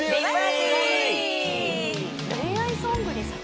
・恋愛ソングですか？